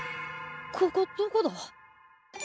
ここどこだ？